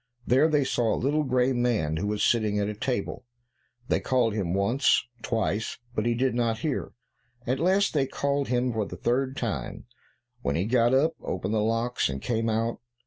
There they saw a little grey man, who was sitting at a table. They called him, once, twice, but he did not hear; at last they called him for the third time, when he got up, opened the locks, and came out.